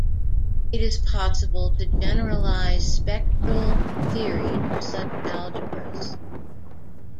It is possible to generalize spectral theory to such algebras.